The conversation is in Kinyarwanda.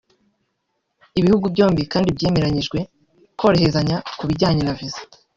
Ibihugu byombi kandi byanemeranyijwe koroherezanya ku bijyanye na visa